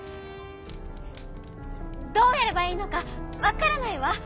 「どうやればいいのかわからないわ。